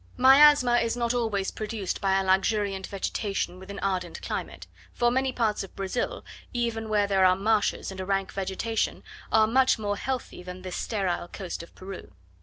Miasma is not always produced by a luxuriant vegetation with an ardent climate; for many parts of Brazil, even where there are marshes and a rank vegetation, are much more healthy than this sterile coast of Peru.